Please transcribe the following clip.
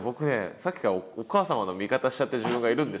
さっきからお母様の味方しちゃってる自分がいるんです。